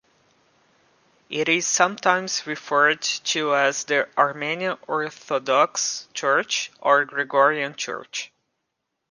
It is sometimes referred to as the Armenian Orthodox Church or Gregorian Church.